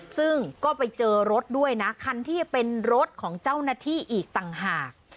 ซึ่งก็ไปเจอรถด้วยนะคันที่เป็นรถของเจ้าหน้าที่อีกต่างหาก